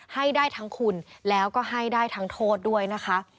ให้ได้ทั้งคุณแล้วก็ให้ได้ทั้งโทษด้วยนะคะ